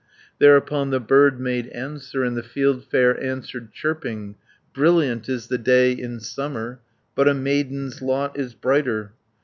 "Thereupon the bird made answer, And the fieldfare answered chirping: 70 'Brilliant is the day in summer, But a maiden's lot is brighter.